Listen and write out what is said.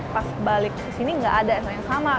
pas balik ke sini gak ada yang sama